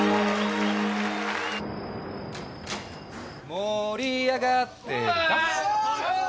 盛り上がってるか？